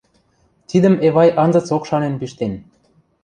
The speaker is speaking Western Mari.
Тидӹм Эвай анзыцок шанен пиштен.